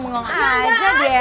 belom ada deh